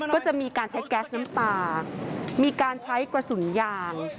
ก็จะมีการใช้แก๊สน้ำตามีการใช้กระสุนยาง